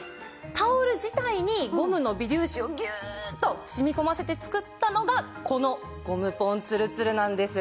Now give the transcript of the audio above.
タオル自体にゴムの微粒子をギューッと染み込ませて作ったのがこのゴムポンつるつるなんです。